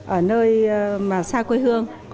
ở nơi mà xa quê hương